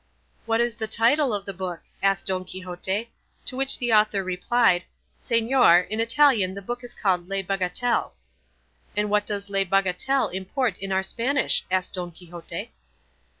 "What is the title of the book?" asked Don Quixote; to which the author replied, "Señor, in Italian the book is called Le Bagatelle." "And what does Le Bagatelle import in our Spanish?" asked Don Quixote.